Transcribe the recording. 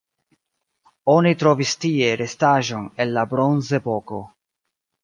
Oni trovis tie restaĵon el la bronzepoko.